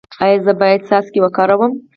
ایا زه باید څاڅکي وکاروم؟